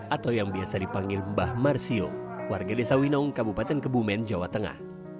atau yang biasa dipanggil mbah marsio warga desa winong kabupaten kebumen jawa tengah